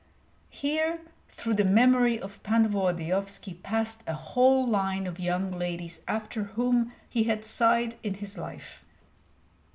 Here through the memory of Pan Volodyovski passed a whole line of young ladies after whom he had sighed in his life.